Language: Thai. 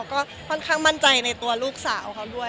ก็ค่อนข้างมั่นใจในตัวลูกสาวเขาด้วย